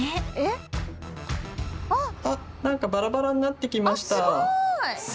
あっ何かバラバラになってきました。